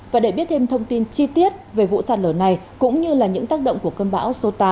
và để biết thêm thông tin chi tiết về vụ sạt lở này cũng như là những tác động của cơn bão số tám